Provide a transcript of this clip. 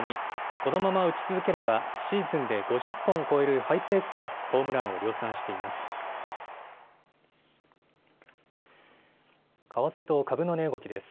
このまま打ち続ければシーズンで５０本を超えるハイペースでホームランを量産しています。